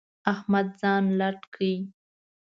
احمد ځان لټ کړی.